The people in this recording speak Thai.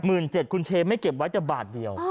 ๑๗๐๐๐บาทคุณเชฟไม่เก็บไว้แต่บาทเดียว